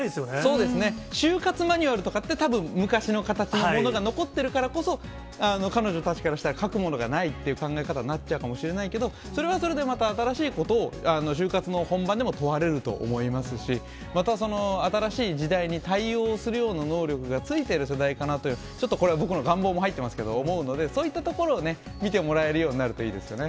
そうですね、就活マニュアルとかって、たぶん昔の形のものが残ってるからこそ、彼女たちからしたら書くものがないっていう考え方になっちゃうかもしれないけど、それか、それでまた新しいことを、就活の本番でも問われると思いますし、また新しい時代に対応するような能力がついてる世代かなという、ちょっとこれ、僕の願望も入ってますけど、思うので、そういったところをね、見てもらえるようになるといいですね。